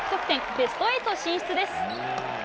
ベスト８進出です。